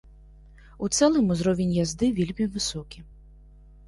У цэлым узровень язды вельмі высокі.